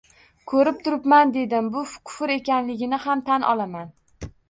Ko`rib turibman, dedim, bu kufr ekanigini ham tan olaman